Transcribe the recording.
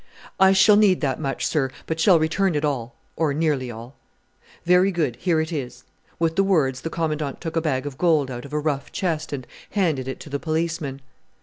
"I shall need that much, sir, but shall return it all, or nearly all." "Very good, here it is." With the words the Commandant took a bag of gold out of a rough chest and handed it to the policeman.